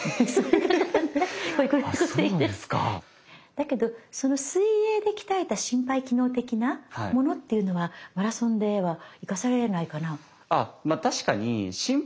だけどその水泳で鍛えた心肺機能的なものっていうのはマラソンでは生かされないかな。